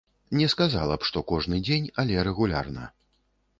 Не сказала б, што кожны дзень, але рэгулярна.